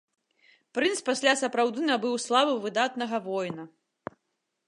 Прынц пасля сапраўды набыў славу выдатнага воіна.